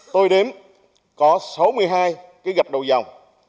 tôi đếm có sáu mươi hai cái gặp đầu dòng